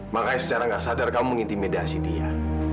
makanya secara gak sadar kamu mengintimidasi dia